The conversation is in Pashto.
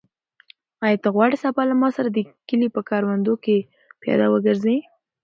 آیا ته غواړې سبا له ما سره د کلي په کروندو کې پیاده وګرځې؟